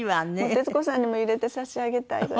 徹子さんにもいれてさしあげたいぐらい。